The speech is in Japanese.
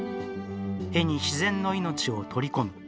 絵に自然の命を取り込む。